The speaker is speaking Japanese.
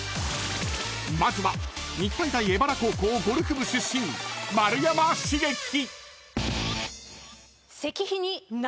［まずは日体大荏原高校ゴルフ部出身丸山茂樹］